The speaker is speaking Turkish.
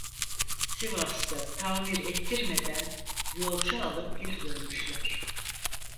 Sivas'ta tamir ettirmeden yolcu alıp geri dönmüşler…